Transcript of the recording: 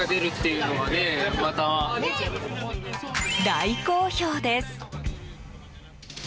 大好評です。